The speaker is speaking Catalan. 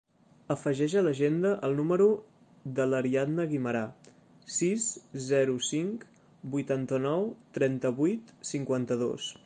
Afegeix a l'agenda el número de l'Ariadna Guimera: sis, zero, cinc, vuitanta-nou, trenta-vuit, cinquanta-dos.